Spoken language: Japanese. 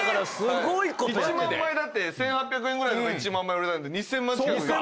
１，８００円ぐらいのが１万枚売れたんで２，０００万近く。